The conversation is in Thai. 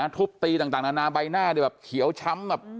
ทุบตีต่างอันนาใบหน้าแบบเขียวช้ำ